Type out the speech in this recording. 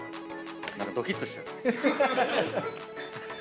何かドキッとしちゃう。